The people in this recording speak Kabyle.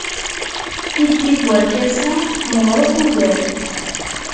Tiddi n werkas-a meɣɣret ugar.